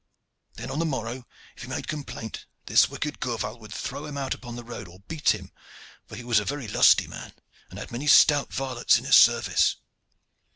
Then on the morrow, if he made complaint, this wicked Gourval would throw him out upon the road or beat him, for he was a very lusty man, and had many stout varlets in his service.